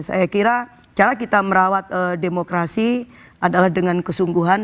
saya kira cara kita merawat demokrasi adalah dengan kesungguhan